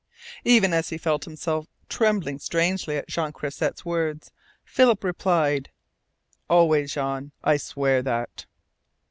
Even as he felt himself trembling strangely at Jean Croisset's words, Philip replied: "Always, Jean, I swear that."